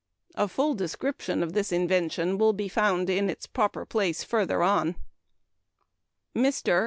(A full description of this invention will be found in its proper place farther on.) Mr.